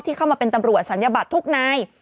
เข้ามาเป็นตำรวจศัลยบัตรทุกนาย